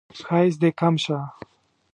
ښایست دې کم شه